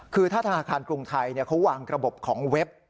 คือถ้าธนาคารกรุงไทยเขาวางระบบของเว็บ